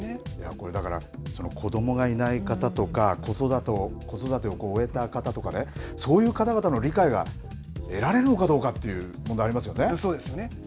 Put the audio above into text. これ、だから子どもがいない方とか子育てを終えた方とかそういう方々の理解が得られるのかどうかっていうそうですね。